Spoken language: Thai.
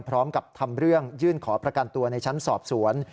พร้อมกับทำเรื่องยื่นขอประกันตัวในชั้นสอบสวน